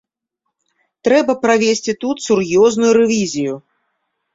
Трэба правесці тут сур'ёзную рэвізію.